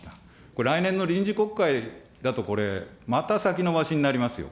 これ、来年の臨時国会だと、これ、また先延ばしになりますよ。